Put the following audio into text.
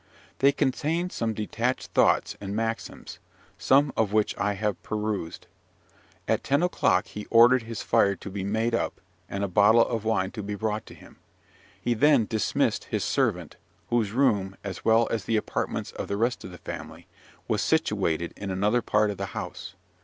They contained some detached thoughts and maxims, some of which I have perused. At ten o'clock he ordered his fire to be made up, and a bottle of wine to be brought to him. He then dismissed his servant, whose room, as well as the apartments of the rest of the family, was situated in another part of the house.